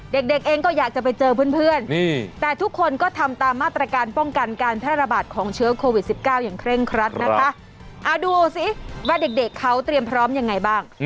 เด็กเองก็อยากจะไปเจอเพื่อนแต่ทุกคนก็ทำตามมาตรการป้องกันการแพร่ระบาดของเชื้อโควิด๑๙อย่างเคร่งครัดนะคะเอาดูสิว่าเด็กเขาเตรียมพร้อมยังไงบ้าง